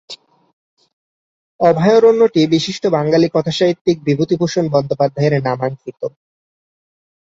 অভয়ারণ্যটি বিশিষ্ট বাঙালি কথাসাহিত্যিক বিভূতিভূষণ বন্দ্যোপাধ্যায়ের নামাঙ্কিত।